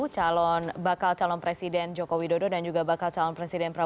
soal nawacita ini sebenarnya masih menarik tidak sih